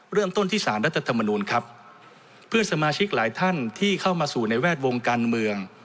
เริ่มต้นที่สารรัฐธรรมนูลครับเพื่อนสมาชิกหลายท่านที่เข้ามาสู่ในแวดวงการเมือง